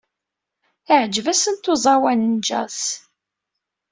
Iɛǧeb-asent uẓawan n jazz.